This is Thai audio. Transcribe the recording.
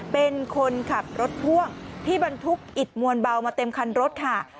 เป็นคนขับรถพ่วงที่บรรทุกอิดมวลเบามาเต็มคันรถค่ะ